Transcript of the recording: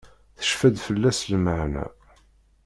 Tecfa-d fell-as lmeḥna.